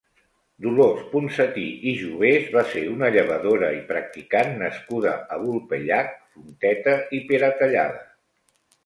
Dolors Ponsatí i Jovés va ser una llevadora i practicant nascuda a Vulpellac, Fonteta i Peratallada.